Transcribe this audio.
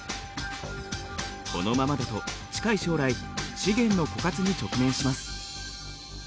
このままだと近い将来資源の枯渇に直面します。